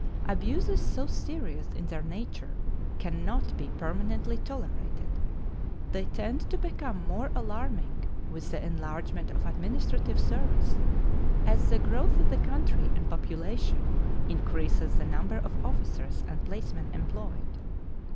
Abuses so serious in their nature can not be permanently tolerated. They tend to become more alarming with the enlargement of administrative service, as the growth of the country in population increases the number of officers and placemen employed.